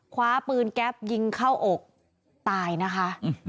คว้าปืนแก๊ปยิงเข้าอกตายนะคะ